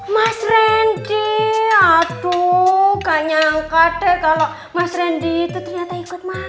mas randi aduh gak nyangka deh kalau mas randi itu ternyata ikut makan